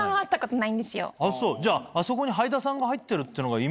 じゃああそこにはいださんが入ってるってのが。